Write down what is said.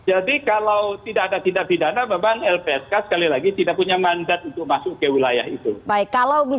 jadi kalau tidak ada tindak pidana memang lpsk sekali lagi tidak punya mandat untuk masuk ke wilayah itu